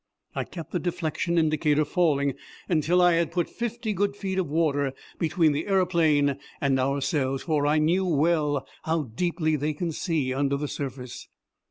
I kept the deflection indicator falling until I had put fifty good feet of water between the aeroplane and ourselves, for I knew well how deeply they can see under the surface.